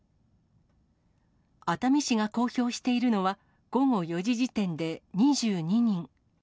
熱海市が公表しているのは、午後４時時点で２２人。